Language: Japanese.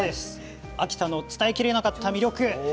秋田の伝えきれなかった魅力